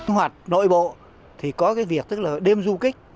hoạt nội bộ thì có cái việc tức là đêm du kích